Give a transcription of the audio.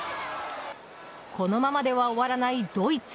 このままでは終わらないドイツ。